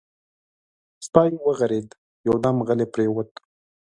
سپی وغرېد، يودم غلی پرېووت.